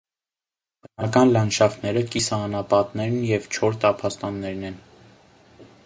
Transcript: Բնական լանդշաֆտները կիսաանապատներն և չոր տափաստաններն են։